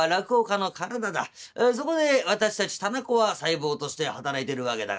そこで私たち店子は細胞として働いてるわけだがな